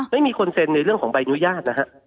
ไม่มีคนเซ็นในเรื่องของใบอนุญาตนะฮะ